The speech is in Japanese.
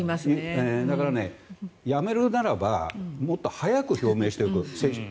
だから辞めるならばもっと早く表明する。